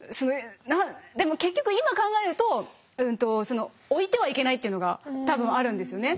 でも結局今考えると置いてはいけないっていうのが多分あるんですよね。